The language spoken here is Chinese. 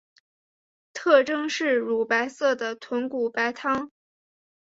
特征是乳白色的豚骨白汤。